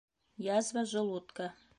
Язва желудка.